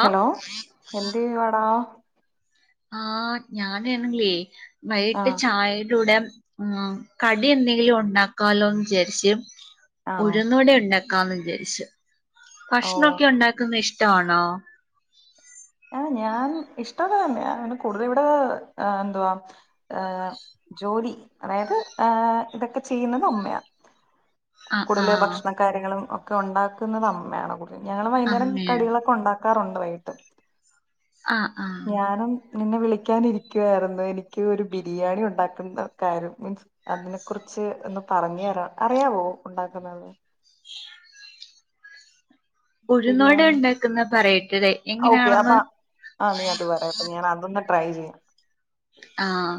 hello എന്തീയ്യു വാടാ ആഹ് ഞാനേൺല്ലേ വൈ ഇട്ട് ആഹ് ചായ് ടൂടെ ആഹ് കടി എന്തെങ്കിലുണ്ടാക്കാലോന്ന് ജാര്ച്ച് ആണോ ഉഴ്ന്ന് വടേണ്ടാ ക്കാന്ന് വിജാരിച്ച് ഓ ഭഷ്ണൊക്കെ ണ്ടാക്ക്ന്നേ ഇഷ്ട്ടാണോ ആഹ് ഞാൻ ഇഷ്ടക്കെതന്ന്യാ പിന്നെ കൂടുതല് ഇവടെ എന്തുവാ ഏഹ് ജോലി അതായത് ഇതക്കെ ചെയ്യ്ന്നത് അമ്മ്യാ ആഹ് കൂട്തല് ആഹ് ഭക്ഷ്ണകാര്യങ്ങളും ഒക്കെ ഒണ്ടാക്ക്ന്നത് അമ്മ്യേണ് കൂടുതൽ ഞങ്ങളും വൈക്ന്നേരം അമ്മയാണ് കടികളൊക്കെ ഒണ്ടാ ക്കാറുണ്ട് വൈകിട്ട് ആഹ് ആഹ് ഞാനും നിന്നെ വിളിക്യാനിരിക്യൂവാര്ന്നു എനിക്ക് ഒരു ബിരിയാണി ഉണ്ടാക്കുന്ന കാര്യം മിൻസ് അത് നെ കുറിച്ച് എന്ന് പറഞ്ഞേരാൻ അറിയാവോ ഉണ്ടാക്ക്ന്നത് ഉഴുന്നുവട ബിരിയാണിം ഉണ്ടാക്കുന്ന പറയട്ടെ ഔക്കെ അപ്പ എങ്ങനെയാണെന്ന് ആഹ് നീ അത് പറയാ അപ്പ ഞാനതൊന്ന് ട്രൈ ചെയ്യാം ആഹ്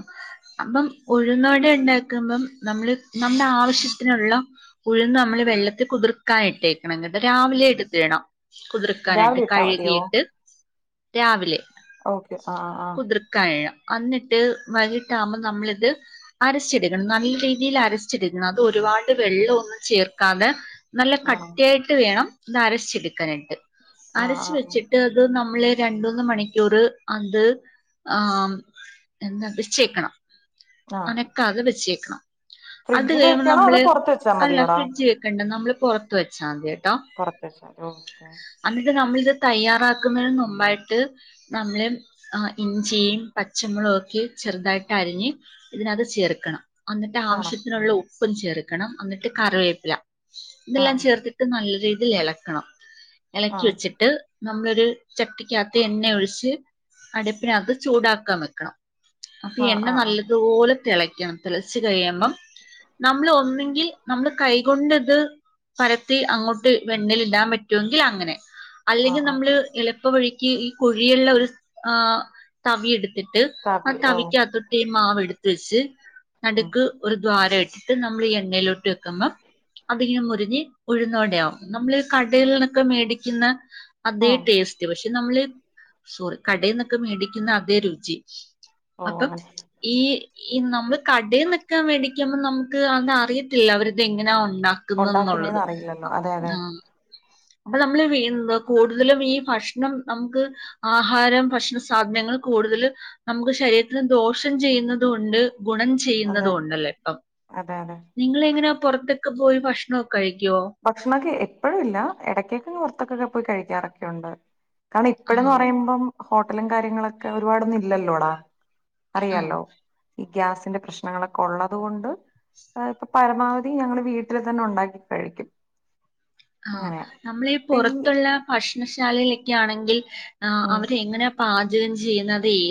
അപ്പം ഉഴുന്നു വട ണ്ടാക്ക്മ്പം നമ്മള് നമ്മടെ ആവശ്യത്തിന്ള്ള ഉഴുന്ന് നമ്മള് വെള്ളത്തിൽ കുതിർക്കാനിട്ടേക്കണം എന്നിട്ട് രാവിലെ ഇട്ത്തിടണം രാവിലെ കുതിർക്കാനായ്ട്ട് ഇട്ടാ മതിയോ കഴ്കീട്ട് രാവിലെ ഓക്കെ ആ ആ കുതിർക്കാനിടണം അന്നിട്ട് വൈകിട്ടാകുമ്പോൾ നമ്മളിത് അരച്ചിട്ക്കണം നല്ല രീതിയിൽ അരച്ചിട്ക്കണം അത് ഒരുപാട് വെള്ളൊന്നും ചേർക്കാതെ നല്ല ആ ആണോ കട്ടിയായിട്ട് വേണം ഇത് അരച്ചെടുക്കാനായിട്ട് ആ ആ അരച്ച് വെച്ചിട്ട് അത് നമ്മള് രണ്ടൂന്ന് മണിക്കൂർ അത് ആം എന്താ വെച്ചേക്കണം ആ ആ അനക്കാതെ വെച്ചേക്കണം അത് ഫ്രിഡ്ജിൽ കഴിയുമ്പോൾ വെക്കണോ അതോ നമ്മള് പുറത്ത് വെച്ചാ അല്ല മതിയോടാ ഫ്രിഡ്ജ് ക്കണ്ട നമ്മള് പൊറത്ത് വെച്ചാൽ മതി കേട്ടോ പൊറത്ത് വച്ചാല് ഓക്കേ അന്നിട്ട് നമ്മളിത് തയ്യാറാക്കുന്നതിന് മുമ്പായിട്ട് നമ്മള് അഹ് ഇഞ്ചി പച്ചമുളകൊക്കെ ചെറുതായിട്ട് അരിഞ്ഞ് ഇതിനത് ചേർക്കണം അന്നിട്ട് ആണോ ആവശ്യത്തിനുള്ള ഉ ഉപ്പും ചേർക്കണം അന്നിട്ട് കറിവേപ്പില ആ ഇതെല്ലാം ചേർത്തി ട്ട് നല്ല രീതിയിൽ എളക്കണം ആ എളലക്കി വെച്ചിട്ട് നമ്മളൊരു ചട്ടിക്കകത്ത് എണ്ണ ഒഴിച്ച് അടുപ്പിനകത്ത് ചൂടാക്കാം വെക്കണം അപ്പ ഈ ആ എണ്ണ ആ ആ നല്ലതുപോലെ തിളയ്ക്കണം തിളച്ച് കഴിയമ്പം നമ്മൾ ഒന്നുങ്കിൽ നമ്മൾ കൈകൊണ്ട്ത് പരത്തി അങ്ങോട്ട് വെണ്ണൽ ഇടാൻ പറ്റോങ്കിൽ അങ്ങനെ ആ അല്ലെങ്കിൽ ആ നമ്മള് എളുപ്പ വഴിക്ക് ഈ കുഴിയ്ള്ള ഒരു ആഹ് തവി എട് ട്ട് തവി ആഹ് ഓ തവിക്കകതോട്ട് ഈ മാവെട്ത്ത് വെച്ച് ഉം നട്ക്ക് ഒരു ദ്വാര ഇട്ട്ട്ട് നമ്മൾ ഈ എണ്ണയിലോട്ട് വെക്കുബം അതിങ്ങനെ മുരിഞ്ഞ് ഉഴുന്നു വടയാവും നമ്മൾ കടേൽ ന്നൊക്കെ മേടിക്ക്ന്ന ആ അതേ ടേസ്റ്റ് പക്ഷെ നമ്മള് സോറി കടേന്നൊക്കെ മേടിക്ക്ന്ന അതേ രുചി ഓ അപ്പം അങ്ങനെ ഈ ഈ നമ്മള് കടേന്നൊക്കെ മേടിക്കുമ്പ നമുക്ക് അങ്ങ അറിയത്തില്ല അവരിത് എങ്ങനാ ഉണ്ടാക്ക ക്ക്ന്നന്നുള്ളത് ഉണ്ടാക്കുന്നേന്ന് അറിയില്ലല്ലോ അതെ അതെ ഉം അപ്പൊ നമ്മള് എന്താ കൂടുതലും ഈ ഭക്ഷണം നമുക്ക് ആഹാരം ഭക്ഷണ സാധനങ്ങൾ കൂടുതലും നമുക്ക് ശരീരത്തിന് ദോഷം ചെയ്യുന്നുന്നതൂണ്ട് ഗുണം അതെ ചെയ്യുന്നതൂണ്ടല്ലോ ഇപ്പം അതെ അതെ നിങ്ങളെ ങ്ങനാ പുറത്തൊക്കെ പോയി ഭക്ഷണൊക്കെ കഴിക്കോ ഭക്ഷണക്കെ എപ്പോഴും ഇല്ല എടക്കൊക്കെ പൊറത്തൊക്കെ പോയി കഴിക്കാറൊക്കെ ഒണ്ട് കാരണം ഇപ്പഴന്ന് ആഹ് പറയുമ്പം ഹോട്ടലും കാര്യങ്ങളൊക്കെ ഒരുപാടൊന്നും ഇല്ലല്ലോടാ ആഹ് അറിയാലോ ഈ ഗ്യാസിന്റെ പ്രശ്നങ്ങളൊക്കെ ഒള്ളത് കൊണ്ട് ആഹ് ഇപ്പൊ പരമാവധി ഞങ്ങൾ വീട്ടിൽ തന്നെ ഒണ്ടാക്കി കഴിക്കും ആഹ് അങ്ങനെയാ നമ്മളീ ഇപ്പ ഈ പുറത്തുള്ള ഭക്ഷണശാലയിലൊക്കെ ആണെങ്കിൽ ആഹ് ഉം അവരെ എങ്ങനെയാ പാചകം ചെയ്യുന്നത്